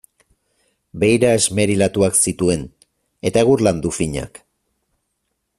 Beira esmerilatuak zituen, eta egur landu finak.